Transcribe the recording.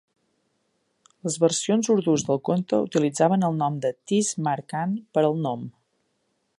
Les versions urdús del conte utilitzaven el nom de "Tees Mar Khan" per al gnom.